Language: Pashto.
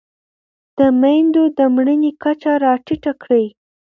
د مېندو د مړینې کچه راټیټه کړئ.